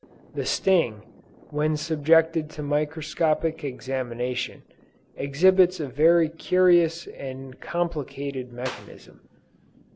The sting, when subjected to microscopic examination, exhibits a very curious and complicated mechanism.